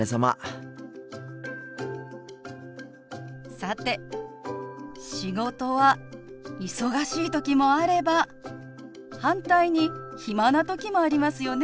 さて仕事は忙しい時もあれば反対に暇な時もありますよね。